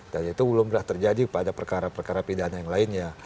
dan itu belum pernah terjadi pada perkara perkara pidana yang lainnya